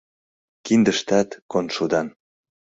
Киндыштат коншудан.